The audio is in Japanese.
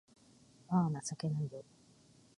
あぁ、情けないよ